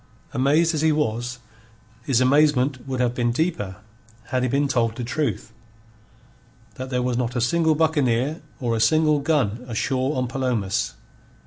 Amazed as he was, his amazement would have been deeper had he been told the truth: that there was not a single buccaneer or a single gun ashore on Palomas.